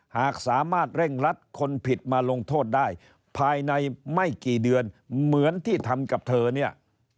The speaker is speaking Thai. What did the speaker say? หากสามารถเร่งรัดคนผิดมาลงโทษได้ภายในไม่กี่เดือนเหมือนที่ทำกับเธอเนี่ย